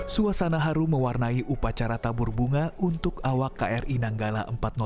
suasana haru mewarnai upacara tabur bunga untuk awak kri nanggala empat ratus dua